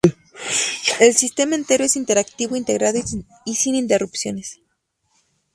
El sistema entero es interactivo, integrado y sin interrupciones.